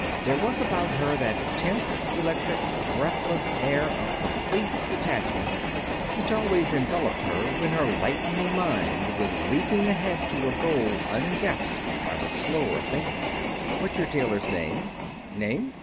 There was about her that tense, electric, breathless air of complete detachment, which always enveloped her when her lightning mind was leaping ahead to a goal unguessed by the slower thinking. "What's your tailor's name?" "Name?